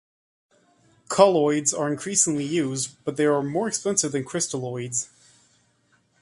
Colloids are increasingly used but they are more expensive than crystalloids.